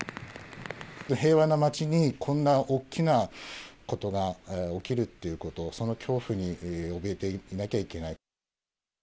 平和な町にこんな大きなことが起きるっていうこと、その恐怖におびえていなきゃいけない。